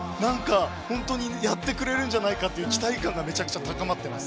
本当にやってくれるんじゃないかという期待感が高まっています。